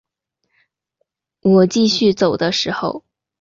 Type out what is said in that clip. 我继续走的时候